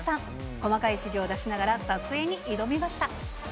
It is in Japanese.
細かい指示を出しながら撮影に挑みました。